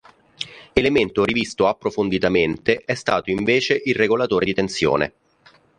Elemento rivisto approfonditamente è stato invece il regolatore di tensione.